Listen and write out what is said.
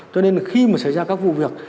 cho nên là khi mà xảy ra các vụ việc